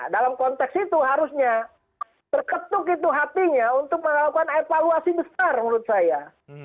dalam konteks itu harusnya terketuk itu hatinya untuk melakukan evaluasi besar menurut saya